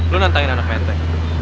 lo nantangin anak mentah